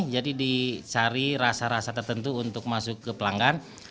jadi dicari rasa rasa tertentu untuk masuk ke pelanggan